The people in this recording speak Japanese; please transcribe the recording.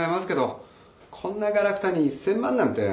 こんながらくたに１，０００万なんて。